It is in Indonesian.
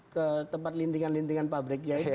ke tempat lintingan lintingan pabriknya itu